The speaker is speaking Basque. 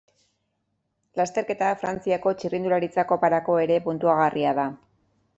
Lasterketa Frantziako Txirrindularitza Koparako ere puntuagarria da.